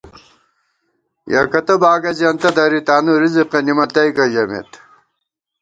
یَکَتہ باگہ زیَنتہ دری ، تانُو رِزِقہ نِمَتئیکہ ژَمېم